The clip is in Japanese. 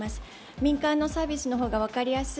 民間のサービスの方が分かりやすい。